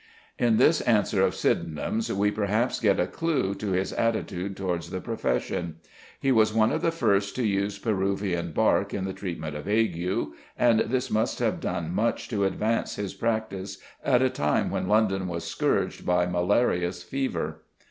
In this answer of Sydenham's we perhaps get a clue to his attitude towards the profession. He was one of the first to use Peruvian bark in the treatment of ague, and this must have done much to advance his practice at a time when London was scourged by malarious fever.